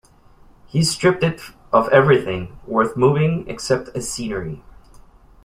He stripped it of everything worth moving, except scenery.